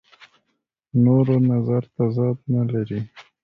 نورو نظر تضاد نه لري.